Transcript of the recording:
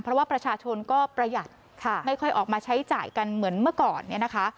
เพราะว่าประชาชนก็ประหยัดไม่ค่อยออกมาใช้จ่ายกันเหมือนเมื่อก่อนเนี่ยนะคะ